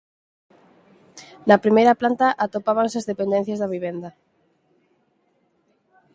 Na primeira planta atopábanse as dependencias de vivenda.